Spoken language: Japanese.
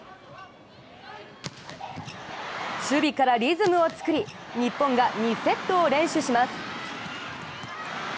守備からリズムを作り日本が２セットを連取します。